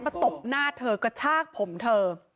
ตบหน้าเธอกระชากผมเธอ